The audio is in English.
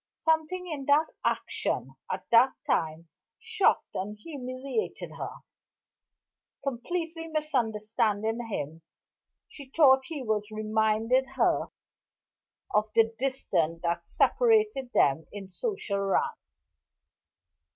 Something in that action, at that time, shocked and humiliated her. Completely misunderstanding him, she thought he was reminding her of the distance that separated them in social rank.